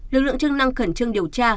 lực lượng chức năng khẩn trương điều tra